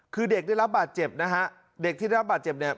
คือเด็กได้รับบาดเจ็บนะฮะเด็กที่ได้รับบาดเจ็บเนี่ย